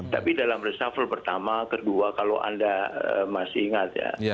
tapi dalam reshuffle pertama kedua kalau anda masih ingat ya